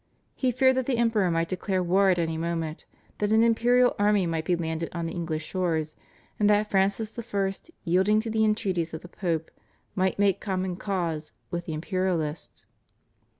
He feared that the Emperor might declare war at any moment, that an imperial army might be landed on the English shores, and that Francis I. yielding to the entreaties of the Pope might make common cause with the imperialists.